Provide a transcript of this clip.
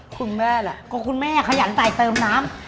คุณแม่แหละก็คุณแม่ขยันตายเติมน้ำ